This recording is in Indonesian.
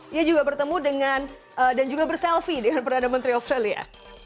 dia juga bertemu dengan dan juga berselfie dengan perdana menteri australia